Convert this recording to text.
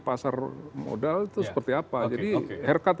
pasar modal itu seperti apa jadi haircut